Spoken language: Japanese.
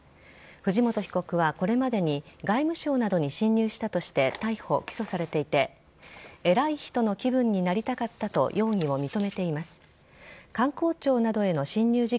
藤本被告は、これまでに外務省などに侵入したとして逮捕、起訴されていて偉い人の気分になりたかったと容疑を認めています。